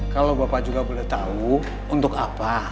kalo bapak juga boleh tau untuk apa